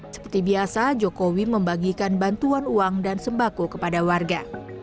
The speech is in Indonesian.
seperti biasa jokowi membagikan bantuan uang dan sembako kepada warga